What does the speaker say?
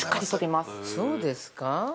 ◆そうですか？